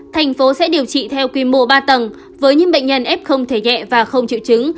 thành phố sẽ điều trị theo quy mô ba tầng với những bệnh nhân f thể nhẹ và không chịu chứng